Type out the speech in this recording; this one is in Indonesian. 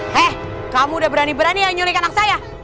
hei kamu udah berani berani nyulikan anak saya